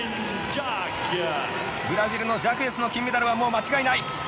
ブラジルのジャクエスの金メダルは、もう間違いない。